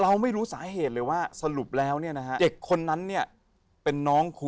เราไม่รู้สาเหตุเลยว่าสรุปแล้วเนี่ยนะฮะเด็กคนนั้นเนี่ยเป็นน้องครู